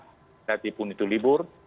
walaupun itu libur